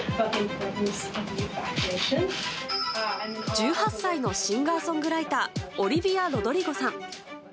１８歳のシンガーソングライターオリヴィア・ロドリゴさん。